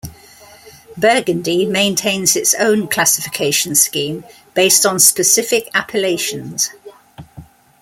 Burgundy maintains its own classification scheme based on specific appellations.